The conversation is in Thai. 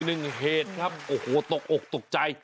อีกหนึ่งเหตุครับโอ้โหตกออกตกใจ